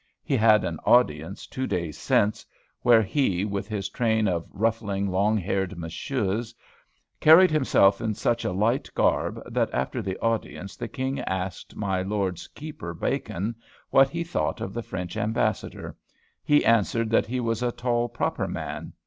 He had an audience two days since, where he, with his train of ruffling long haired Monsieurs, carried himself in such a light garb, that after the audience the king asked my Lord Keeper Bacon what he thought of the French Ambassador. He answered, that he was a tall, proper man.